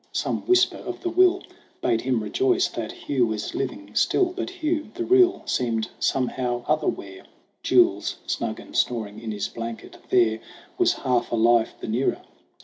Some whisper of the will Bade him rejoice that Hugh was living still; But Hugh, the real, seemed somehow otherwhere. Jules, snug and snoring in his blanket there, Was half a life the nearer.